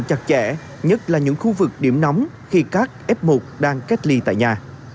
chặt chẽ nhất là những khu vực điểm nóng khi các f một đang cách ly tại nhà